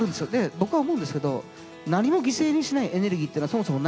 僕は思うんですけど何も犠牲にしないエネルギーっていうのはそもそもないんです。